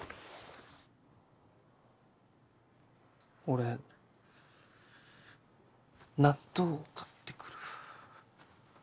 俺納豆買ってくる。